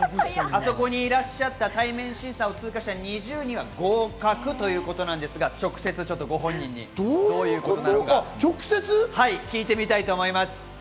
あそこにいらっしゃった対面審査を通過した２０人は合格ということなんですが、直接ご本人にどういうことなのか、聞いてみたいと思います。